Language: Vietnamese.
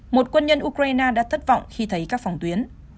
một quân nhân ukraine đã thất vọng khi thấy các phòng tuyến